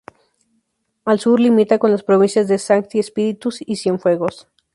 Al sur limita con las provincias de Sancti Spíritus y Cienfuegos.